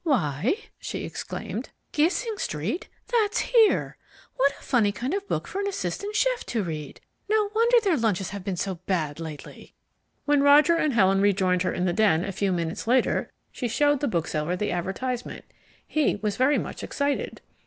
"Why" she exclaimed, "Gissing Street that's here! And what a funny kind of book for an assistant chef to read. No wonder their lunches have been so bad lately!" When Roger and Helen rejoined her in the den a few minutes later she showed the bookseller the advertisement. He was very much excited.